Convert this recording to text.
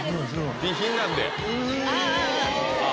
備品なんでああ